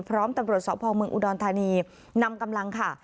พร้อมตำรวจสพเมืองอุดรธานีนำกำลังค่ะ